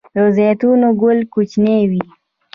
د زیتون ګل کوچنی وي؟